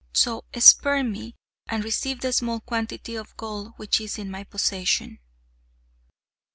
So spare me, and receive the small quantity of gold which is in my possession."